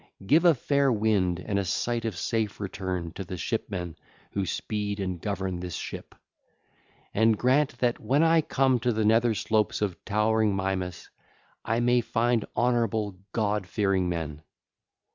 Give a fair wind and sight of safe return to the shipmen who speed and govern this ship. And grant that when I come to the nether slopes of towering Mimas I may find honourable, god fearing men.